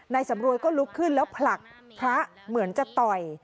สำรวยก็ลุกขึ้นแล้วผลักพระเหมือนจะต่อย